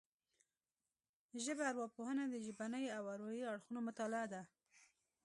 ژبارواپوهنه د ژبنيو او اروايي اړخونو مطالعه ده